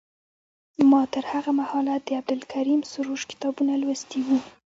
ما تر هغه مهاله د عبدالکریم سروش کتابونه لوستي وو.